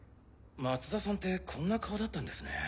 松田さんってこんな顔だったんですね。